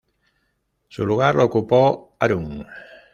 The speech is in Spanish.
Su lugar lo ocupó Harun.